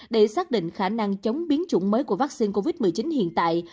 để xác định khả năng chống biến chủng mới của vaccine covid một mươi chín hiện tại